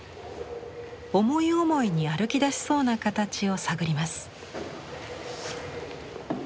思い思いに歩きだしそうな形を探ります。